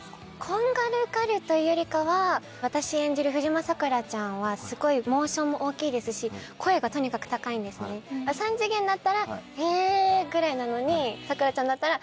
こんがらがるというよりかは私演じる藤間桜ちゃんはすごいモーションも大きいですし声がとにかく高いんですね。ぐらいなのに桜ちゃんだったら。